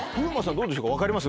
どうでしょうか分かります？